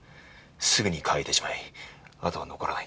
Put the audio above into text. すぐに乾いてしまい跡が残らない。